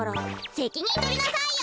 せきにんとりなさいよ！